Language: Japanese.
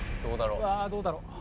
うわどうだろう？